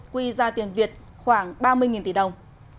quy ra tiền việt khoảng ba mươi tỷ đồng